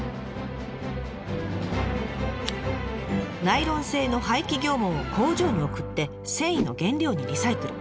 ナイロン製の廃棄漁網を工場に送って繊維の原料にリサイクル。